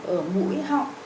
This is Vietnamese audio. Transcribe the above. ở mũi họng